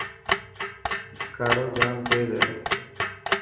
ڪاڙو جام تيز هي.